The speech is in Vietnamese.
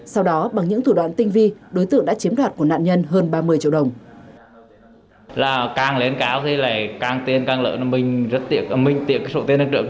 sau đó bằng những thủ đoạn tinh vi đối tượng đã chiếm đoạt của nạn nhân hơn ba mươi triệu đồng